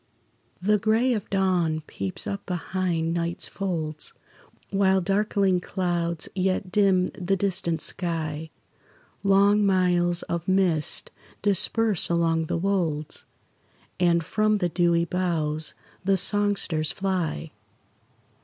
The gray of dawn peeps up behind night's folds, While darkling clouds yet dim the distant sky; Long miles of mist disperse along the wolds, And from the dewy boughs the songsters fly.